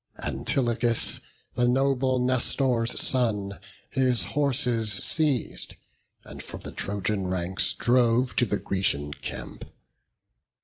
Antilochus, the noble Nestor's son, The horses seiz'd, and from the Trojan ranks Drove to the Grecian camp.